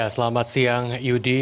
selamat siang yudi